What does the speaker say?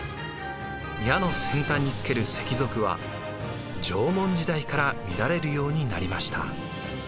矢の先端につける石鏃は縄文時代から見られるようになりました。